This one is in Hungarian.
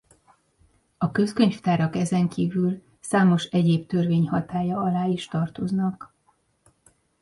A közkönyvtárak ezenkívül számos egyéb törvény hatálya alá is tartoznak.